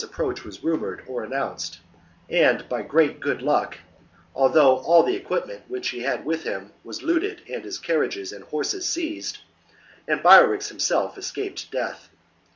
c. approach was rumoured or announced ; and by great good luck, although all the equipment which he had with him was looted and his carriages and horses seized, Ambiorix himself escaped death.